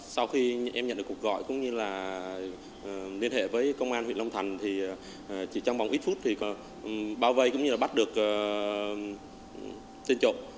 sau khi em nhận được cuộc gọi cũng như là liên hệ với công an huyện long thành thì chỉ trong vòng ít phút thì bao vây cũng như là bắt được trên trộm